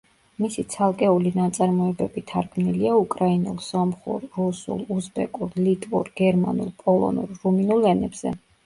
მისი ცალკეული ნაწარმოებები თარგმნილია უკრაინულ, სომხურ, რუსულ, უზბეკურ, ლიტვურ, გერმანულ, პოლონურ, რუმინულ ენებზე.